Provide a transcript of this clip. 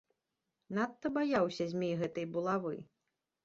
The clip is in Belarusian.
Надта баяўся змей гэтай булавы.